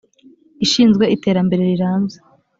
ishinzwe iterambere rirambye.